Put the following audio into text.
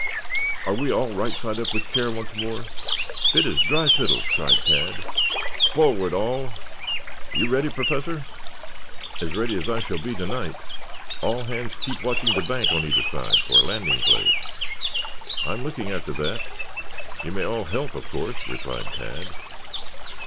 "Are we all right side up with care once more?" "Fit as dry fiddles," cried Tad. "Forward, all! Are you ready, Professor?" "As ready as I shall be tonight. All hands keep watching the bank on either side for a landing place." "I am looking after that. You may all help, of course," replied Tad.